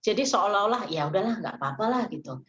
jadi seolah olah ya udahlah nggak apa apalah gitu